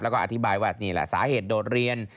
แล้วก็อธิบายว่านี่แหละสาเหตุโดดเรียน